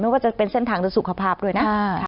ว่าจะเป็นเส้นทางโดยสุขภาพด้วยนะ